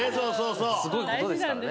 すごいことですからね。